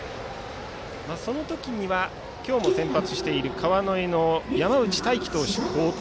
その時には今日も先発している川之江の山内太暉投手が好投。